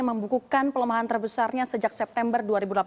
membukukan pelemahan terbesarnya sejak september dua ribu delapan belas